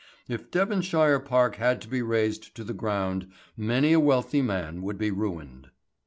If Devonshire Park had to be razed to the ground many a wealthy man would be ruined.